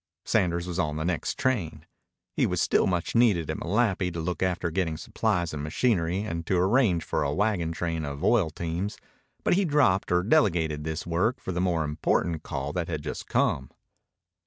Sanders was on the next train. He was still much needed at Malapi to look after getting supplies and machinery and to arrange for a wagon train of oil teams, but he dropped or delegated this work for the more important call that had just come.